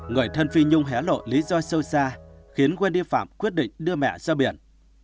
người thân phi nhung hé lộ lý do sâu xa khiến wendy phạm quyết định đưa mẹ ra biển